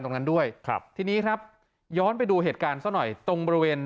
ตรงนั้นด้วยครับทีนี้ครับย้อนไปดูเหตุการณ์ซะหน่อยตรงบริเวณ